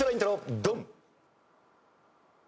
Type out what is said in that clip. ドン！